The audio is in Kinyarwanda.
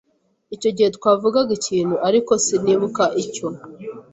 Icyo gihe twavugaga ikintu, ariko sinibuka icyo.